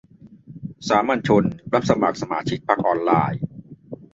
สามัญชน รับสมัครสมาชิกพรรคออนไลน์